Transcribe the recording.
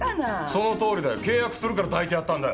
そのとおりだよ。契約するから抱いてやったんだよ。